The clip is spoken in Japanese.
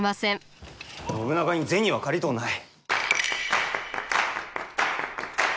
信長に銭は借りとうない。